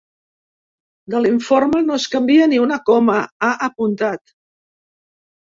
“De l’informe no es canvia ni una coma”, ha apuntat.